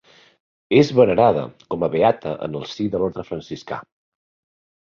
És venerada com a beata en el si de l'orde franciscà.